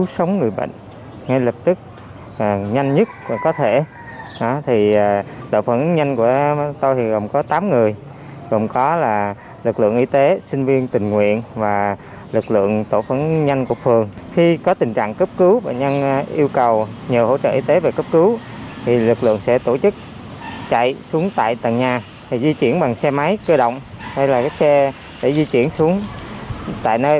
xe máy cơ động hay là cái xe để di chuyển xuống tại nơi